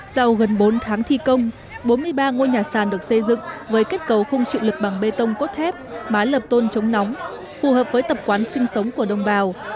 sau gần bốn tháng thi công bốn mươi ba ngôi nhà sàn được xây dựng với kết cầu không chịu lực bằng bê tông cốt thép mái lập tôn chống nóng phù hợp với tập quán sinh sống của đồng bào